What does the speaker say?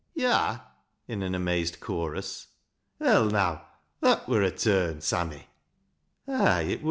"To' ha'? "in an amazed chorus. " Well, now, thai theer wur a turn, Sammy." "Ay, it wur.